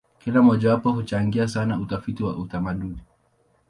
Kila mojawapo huchangia sana utafiti wa utamaduni.